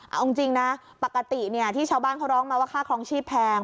เอาจริงนะปกติที่ชาวบ้านเขาร้องมาว่าค่าครองชีพแพง